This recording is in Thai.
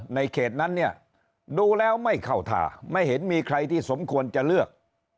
เขตนั้นเนี่ยดูแล้วไม่เข้าท่าไม่เห็นมีใครที่สมควรจะเลือก